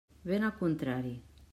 Ben al contrari.